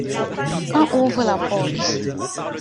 Quand ouvre la porte ?